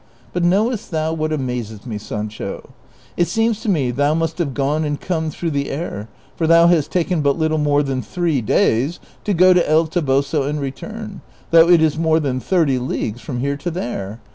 But knowest thou what amazes me, Sancho ? It seems to me thou must have gone and come throiigh the air, for thou hast taken but little more than three days to go to El Toboso and return, though it is more than thirty leagues from here to there.